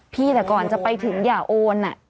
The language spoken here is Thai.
พี่แต่ก่อนจะไปถึงอย่าโอน